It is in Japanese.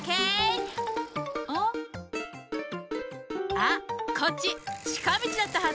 あっこっちちかみちだったはず！